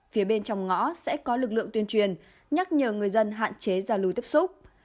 phía bên trong ngõ sẽ có lực lượng tuyên truyền nhắc nhở người dân hạn chế ra lùi tiếp xúc